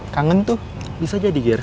kangen tuh bisa jadi jerse